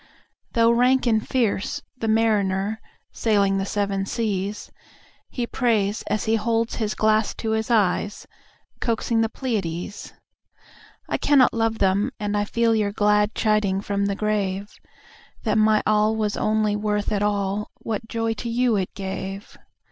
Though rank and fierce the marinerSailing the seven seas, He prays, as he holds his glass to his eyes, Coaxing the Pleiades.I cannot love them; and I feel your gladChiding from the grave, That my all was only worth at all, whatJoy to you it gave.